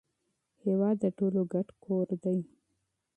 هیواد د ټولو ګډ کور دی.